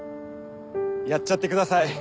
やっちゃってください。